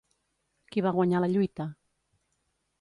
Qui va guanyar la lluita?